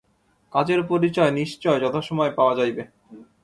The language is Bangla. কাজের পরিচয় নিশ্চয় যথাসময়ে পাওয়া যাইবে।